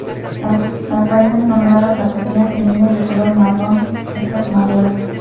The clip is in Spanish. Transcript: Las vainas son largas, la pequeña semilla es de color marrón están maduras.